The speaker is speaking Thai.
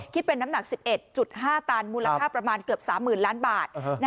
คิดเป็นน้ำหนัก๑๑๕ตันมูลค่าประมาณเกือบ๓๐๐๐ล้านบาท